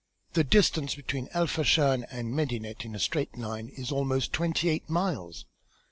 The distance between El Fachn and Medinet in a straight line is almost twenty eight miles.